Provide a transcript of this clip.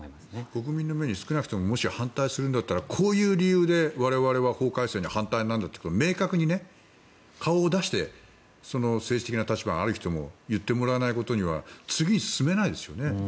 国民の目に少なくとも反対するんだったらこういう理由で我々は法改正に反対なんだと明確に、顔を出して政治的な立場がある人も言ってもらわないことには次に進めないですよね。